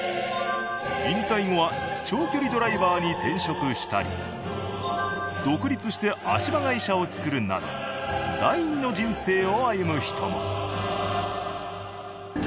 引退後は長距離ドライバーに転職したり独立して足場会社をつくるなど第２の人生を歩む人も。